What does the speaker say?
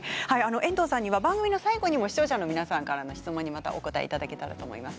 遠藤さんには番組の最後にも視聴者の皆さんからの質問にまたお答えいただけたらと思います。